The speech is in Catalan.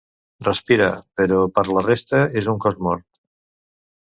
Respira, però per la resta, és un cos mort.